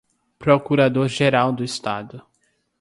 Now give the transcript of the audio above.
procurador-geral do Estado